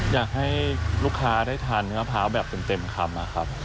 อยากให้ลูกค้าได้ทานเนื้อพร้าวแบบเต็มคำนะครับ